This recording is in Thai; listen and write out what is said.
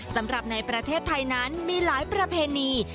สำหรับในประเทศไทยนั้นมีหลายประเพณี